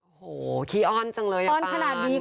โอ้โฮที่อ้อนขนาดนี้ก็ต้องรับฝาก